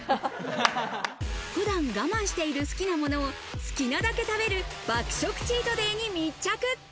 普段、我慢している好きなものを好きなだけ食べる爆食チートデイに密着。